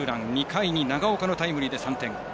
２回に長岡のタイムリーで３点。